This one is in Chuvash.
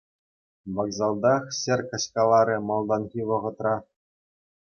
Вокзалтах ҫӗр каҫкаларӗ малтанхи вӑхӑтра.